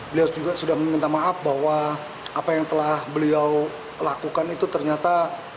beliau juga sudah meminta maaf bahwa apa yang telah beliau lakukan itu ternyata